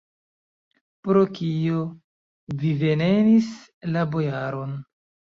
Pro kio vi venenis la bojaron?